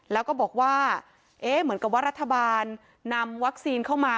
แล้วก็บอกว่าเอ๊ะเหมือนกับว่ารัฐบาลนำวัคซีนเข้ามา